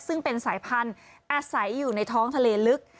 ซึ่งเป็นสายพันธุ์ทรักิรัสไฟในท้องทะเลลึก